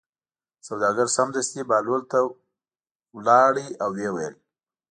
سوداګر سمدستي بهلول ته لاړ او ویې ویل.